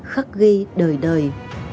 khắc ghi đời đời